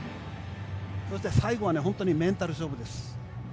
そして最後は本当にメンタル勝負です。